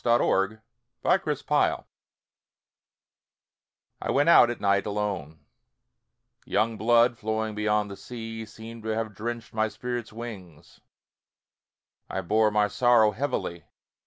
Winter Stars I went out at night alone; The young blood flowing beyond the sea Seemed to have drenched my spirit's wings I bore my sorrow heavily.